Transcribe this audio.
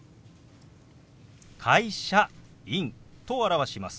「会社」「員」と表します。